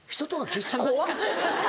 怖っ。